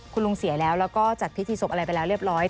คุณลุงเสียแล้วแล้วก็จัดพิธีศพอะไรไปแล้วเรียบร้อย